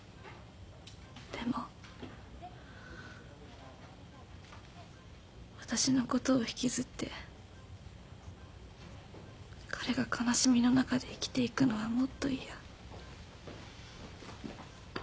でも私のことを引きずって彼が悲しみの中で生きていくのはもっと嫌。